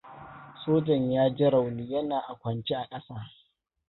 Sojan ya ji rauni yana akwance a ƙasa.